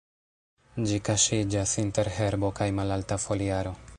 Ĝi kaŝiĝas inter herbo kaj malalta foliaro.